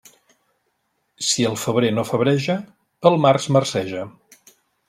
Si el febrer no febreja, el març marceja.